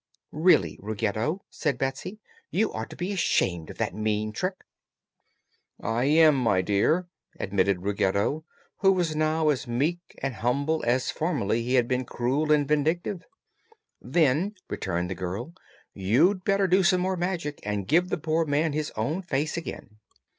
"Really, Ruggedo," said Betsy, "you ought to be ashamed of that mean trick." "I am, my dear," admitted Ruggedo, who was now as meek and humble as formerly he had been cruel and vindictive. "Then," returned the girl, "you'd better do some more magic and give the poor man his own face again."